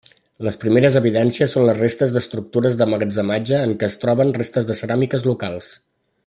Les primeres evidències són restes d'estructures d'emmagatzematge en què es troben restes de ceràmiques locals.